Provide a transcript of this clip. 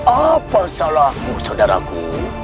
apa salahku saudaraku